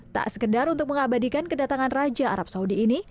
tak sekedar untuk mengabadikan kedatangan raja arab saudi ini